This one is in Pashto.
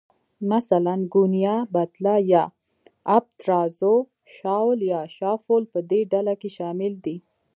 مثلاً، ګونیا، بتله یا آبترازو، شاول یا شافول په دې ډله کې شامل دي.